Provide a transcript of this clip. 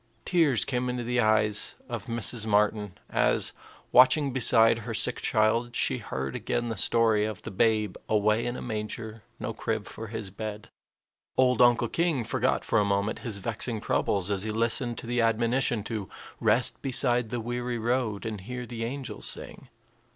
Tears came into the eyes of Mrs. Martin as, watching beside her sick child, she heard again the story of the Babe "away in a manger, no crib for his bed." Old Uncle King forgot for a moment his vexing troubles as he listened to the admonition to "rest beside the weary road and hear the angels sing."